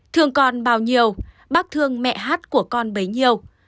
thương con bao nhiêu bác thương mẹ hát của con bấy nhiêu